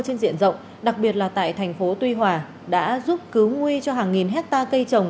trên diện rộng đặc biệt là tại thành phố tuy hòa đã giúp cứu nguy cho hàng nghìn hectare cây trồng